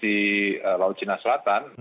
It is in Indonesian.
di laut cina selatan